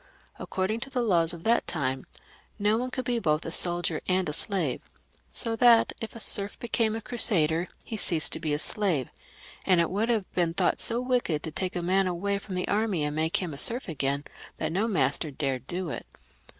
According to the laws of that time, no one could be both a soldier and a slave ; so that if a serf became a Crusader he left off being a slave, and it would have been thought so wicked to take a man away &om the army and make him a serf again, that no master dared do it.